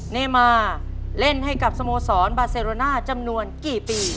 เนมาเล่นให้กับสโมสรบาเซโรน่าจำนวนกี่ปี